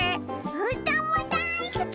うーたんもだいすき！